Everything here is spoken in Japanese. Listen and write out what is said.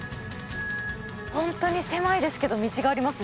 ホントに狭いですけど道がありますね。